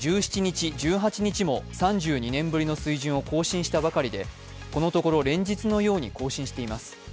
１７日、１８日も３２年ぶりの水準を更新したばかりでこのところ連日のように更新しています。